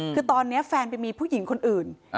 คือตอนนี้แฟนไปมีผู้หญิงคนอื่น